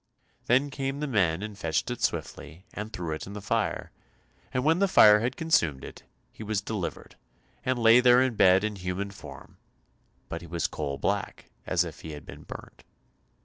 Then came the men and fetched it swiftly, and threw it in the fire; and when the fire had consumed it, he was delivered, and lay there in bed in human form, but he was coal black as if he had been burnt.